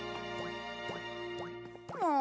もう！